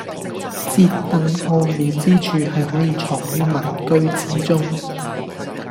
折凳奧妙之處，係可以藏於民居之中